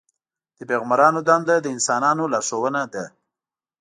د پیغمبرانو دنده د انسانانو لارښوونه ده.